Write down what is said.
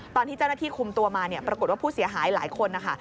ตอนที่เจ้าหน้าที่คุมตัวมาเนี่ยปรากฏว่าผู้เสียหายหลายคนนะคะ